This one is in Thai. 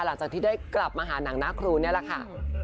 หลังจากที่ได้กลับมาหาหนังหน้าครูนี่แหละค่ะ